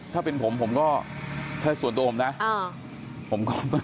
ถ้าเป็นผมผมก็ถ้าส่วนตัวผมนะ